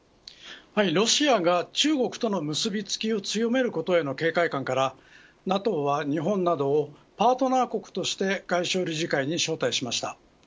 ロシアが中国との結び付きを強めることへの警戒感からＮＡＴＯは日本などをパートナー国として外相理事会に招待しました。